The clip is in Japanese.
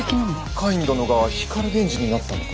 カイン殿が光源氏になったのか？